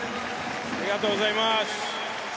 ありがとうございます。